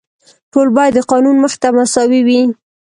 ټول باید د قانون مخې ته مساوي وي.